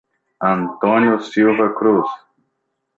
Antônio Silva Cruz